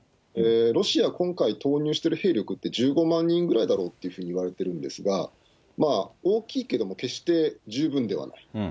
ロシア、今回、投入している兵力って１５万人くらいだろうっていうふうにいわれてるんですが、大きいけども、決して十分ではない。